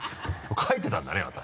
書いてたんだね私。